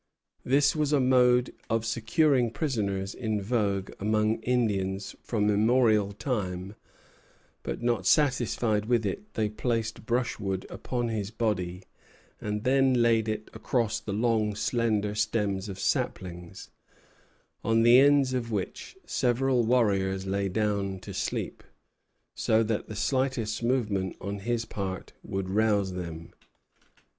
This was a mode of securing prisoners in vogue among Indians from immemorial time; but, not satisfied with it, they placed brushwood upon his body, and then laid across it the long slender stems of saplings, on the ends of which several warriors lay down to sleep, so that the slightest movement on his part would rouse them.